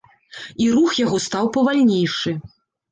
І рух яго стаў павальнейшы.